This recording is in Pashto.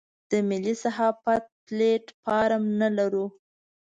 د ملي صحافت پلیټ فارم نه لرو.